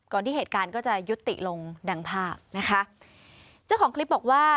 ที่เหตุการณ์ก็จะยุติลงดังภาพนะคะเจ้าของคลิปบอกว่า